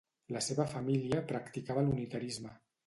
La seva família practicava l'unitarisme.